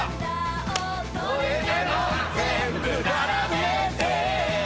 「どれでも全部並べて」